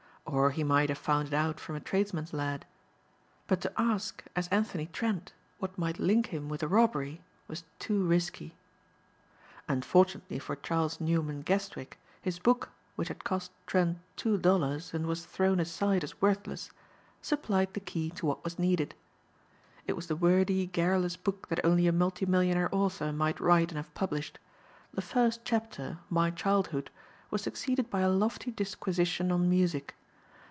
Or he might have found it out from a tradesman's lad. But to ask, as Anthony Trent, what might link him with a robbery was too risky. Unfortunately for Charles Newman Guestwick his book, which had cost Trent two dollars and was thrown aside as worthless, supplied the key to what was needed. It was the wordy, garrulous book that only a multi millionaire author might write and have published. The first chapter, "My Childhood," was succeeded by a lofty disquisition on music.